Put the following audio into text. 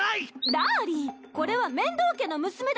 ダーリンこれは面堂家の娘だっちゃ。